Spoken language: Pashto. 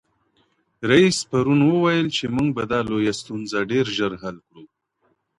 رئیس پرون وویل چي موږ به دا لویه ستونزه ډېر ژر حل کړو.